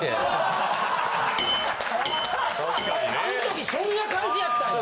あの時そんな感じやったんや。